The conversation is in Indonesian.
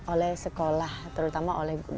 oleh sekolah terutama oleh